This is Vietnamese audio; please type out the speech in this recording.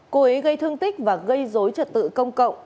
cô ấy gây thương tích và gây dối trật tự công cộng